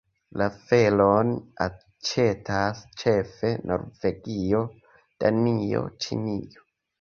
La felon aĉetas ĉefe Norvegio, Danio, Ĉinio.